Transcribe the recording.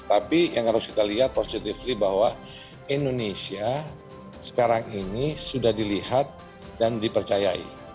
tapi yang harus kita lihat positively bahwa indonesia sekarang ini sudah dilihat dan dipercayai